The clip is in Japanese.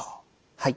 はい。